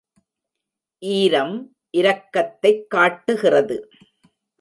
ஈரம் இரக்கத்தைக் காட்டுகிறது.